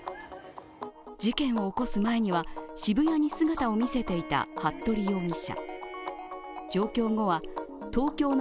事件を起こす前には渋谷に姿を見せていた服部容疑者。